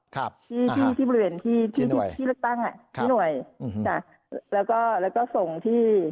ครับที่ที่บริเวณที่ที่ที่ที่เลือกตั้งอ่ะครับที่หน่วยครับแล้วก็แล้วก็ส่งที่